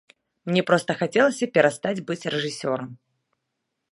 Мне проста хацелася перастаць быць рэжысёрам.